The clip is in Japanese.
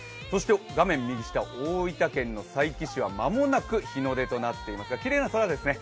画面右下、大分県の佐伯市は間もなく日の出となっていますがきれいな空ですね。